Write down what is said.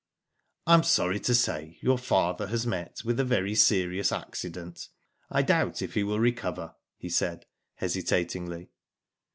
" I am sorry to say your father has met with a very serious accident. I doubt if he will recover," he said, hesitatingly.